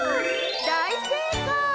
だいせいかい！